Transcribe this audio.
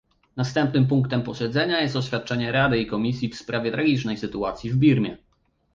Następnym punktem posiedzenia jest oświadczenie Rady i Komisji w sprawie tragicznej sytuacji w Birmie